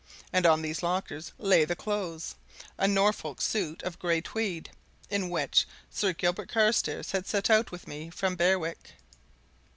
And on these lockers lay the clothes a Norfolk suit of grey tweed in which Sir Gilbert Carstairs had set out with me from Berwick.